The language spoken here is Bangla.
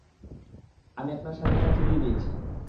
আমি আপনার স্বাধীনতা ফিরিয়ে দিয়েছি।